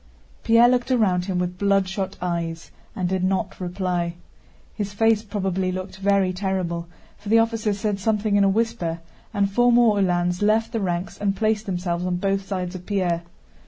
Pierre looked around him with bloodshot eyes and did not reply. His face probably looked very terrible, for the officer said something in a whisper and four more Uhlans left the ranks and placed themselves on both sides of Pierre.